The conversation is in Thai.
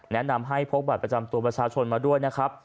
แนะนำให้พกบัตรประจำตัวประชาชนมาด้วยนะครับ